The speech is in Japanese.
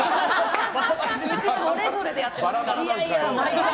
うちはそれぞれでやってますから。